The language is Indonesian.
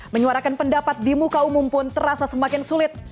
menyuarakan pendapat di muka umum pun terasa semakin sulit